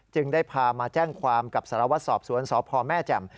ได้พามาแจ้งความกับสารวัตรสอบสวนสพแม่แจ่ม